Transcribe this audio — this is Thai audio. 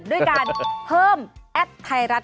ด้วยการเพิ่มแอปไทยรัฐ